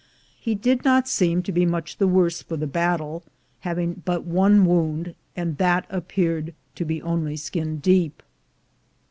He did not seem to be much the worse for the battle, having but one wound, and that appeared to be only skin deep.